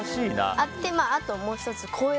あともう１つ、校閲。